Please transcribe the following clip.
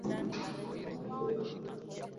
na maafisa wengine wakati wa ziara yake mjini kampala